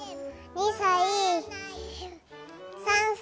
２歳。